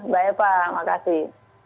makasih mbak eva makasih